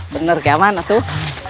bener kemana tuh